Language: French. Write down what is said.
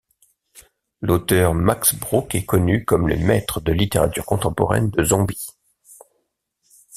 L'auteur Max Brooks est connu comme le maître de littérature contemporaine de zombie.